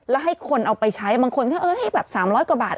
แล้วให้คนเอาไปใช้บางคนก็เออให้แบบ๓๐๐กว่าบาท